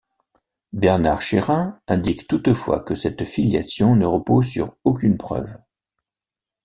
Bernard Chérin indique toutefois que cette filiation ne repose sur aucune preuve.